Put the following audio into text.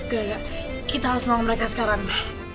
gak gak kita harus nolong mereka sekarang